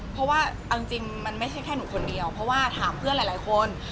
เพราะว่าเอาจริงมันไม่ใช่แค่หนูคนเดียวเพราะว่าถามเพื่อนหลายคน